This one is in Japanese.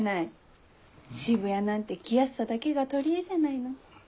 渋谷なんて気安さだけが取り柄じゃないの。